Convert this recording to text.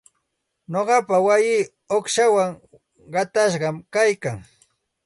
Nuqapa wayii uqshawan qatashqam kaykan.